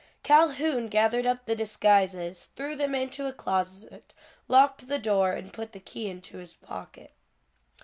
Calhoun gathered up the disguises, threw them into a closet, locked the door and put the key into his pocket.